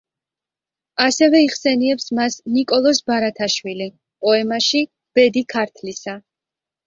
ასევე იხსენიებს მას ნიკოლოზ ბარათაშვილი პოემაში „ბედი ქართლისა“.